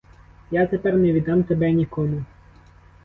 Я тепер не віддам тебе нікому!